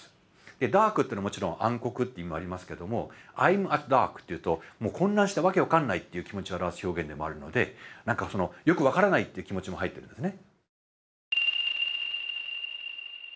ダークってのはもちろん暗黒って意味もありますけども「Ｉ’ｍａｔｄａｒｋ」って言うと「混乱してわけ分かんない」っていう気持ちを表す表現でもあるのでなんかよく分からないって気持ちも入ってるんですね。